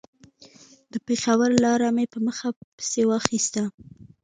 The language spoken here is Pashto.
د پېښور لاره مې په مخه پسې واخيسته.